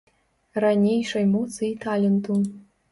Ранейшай моцы і таленту.